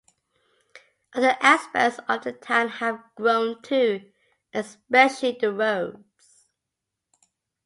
Other aspects of the town have grown too, especially the roads.